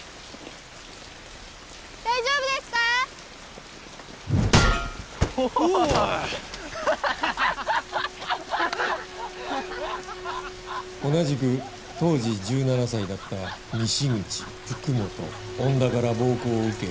大丈夫ですか？うおーいハッハハハ同じく当時１７歳だった西口福本恩田から暴行を受け助けてー！